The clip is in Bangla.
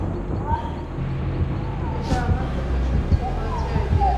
এটা আমার দেখা সবচেয়ে বাজে আইডিয়া।